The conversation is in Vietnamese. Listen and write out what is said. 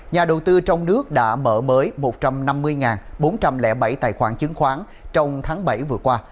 nhà đầu tư trong nước đã mở mới một trăm năm mươi bốn trăm linh bảy tài khoản chứng khoán trong tháng bảy vừa qua